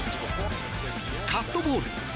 カットボール。